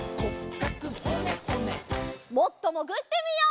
もっともぐってみよう！